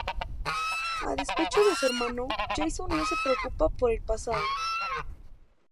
A despecho de su hermano, Jason no se preocupa por el pasado.